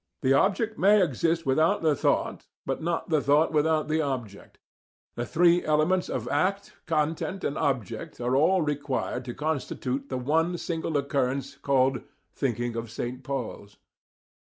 The object might exist without the thought, but not the thought without the object: the three elements of act, content and object are all required to constitute the one single occurrence called "thinking of St. Paul's."